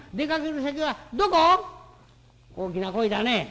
「大きな声だね。